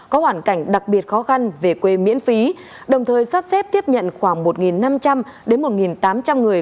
có hoàn cảnh đặc biệt khó khăn về quê miễn phí đồng thời sắp xếp tiếp nhận khoảng một năm trăm linh đến một tám trăm linh người